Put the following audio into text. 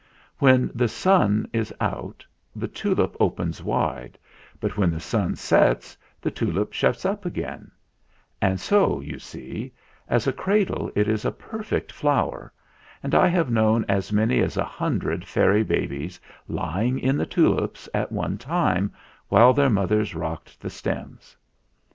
When the sun is out the tulip 132 THE FLINT HEART opens wide, but when the sun sets the tulip shuts up again; and so, you see, as a cradle it is a perfect flower, and I have known as many as a hundred fairy babies lying in the tulips at one time while their mothers rocked the stems.